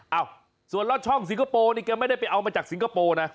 เอ้าส่วนลอดช่องสิงคโปร์นี่แกไม่ได้ไปเอามาจากสิงคโปร์นะ